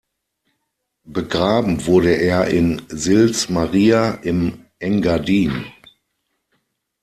Begraben wurde er in Sils Maria im Engadin.